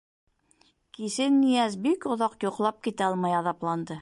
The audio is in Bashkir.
Кисен Нияз бик оҙаҡ йоҡлап китә алмай аҙапланды.